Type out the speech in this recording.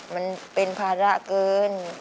มันเป็นภาระเกิน